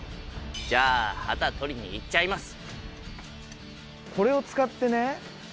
じゃあ旗取りに行っちゃいます。